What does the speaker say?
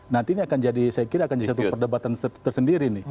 nanti ini akan jadi saya kira akan jadi satu perdebatan tersendiri nih